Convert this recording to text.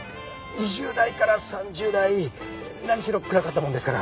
２０代から３０代何しろ暗かったものですから。